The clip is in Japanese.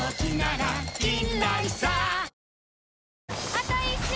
あと１周！